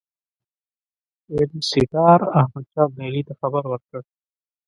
وینسیټار احمدشاه ابدالي ته خبر ورکړ.